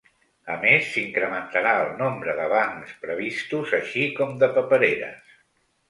A més, s’incrementara el nombre de bancs previstos, així com de papereres.